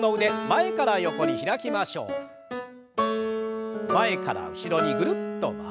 前から後ろにぐるっと回して。